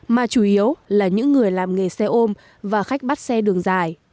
mà chủ yếu là những người làm nghề xe ôm và khách bắt xe đường dài